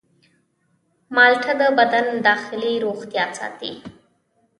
مالټه د بدن داخلي روغتیا ساتي.